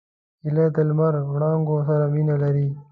هیلۍ د لمر وړانګو سره مینه لري